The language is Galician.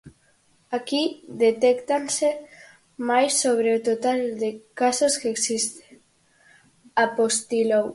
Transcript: "Aquí detéctanse máis sobre o total de casos que existe", apostilou.